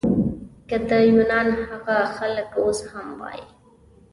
که د یونان هغه خلک اوس هم وای.